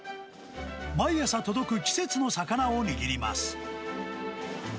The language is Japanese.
毎朝届く季節の魚を握ります。